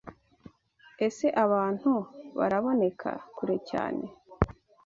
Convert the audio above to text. Ese abantu baraboneka kure cyane